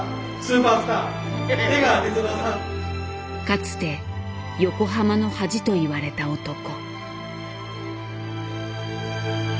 かつて横浜の恥と言われた男。